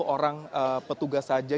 sepuluh orang petugas saja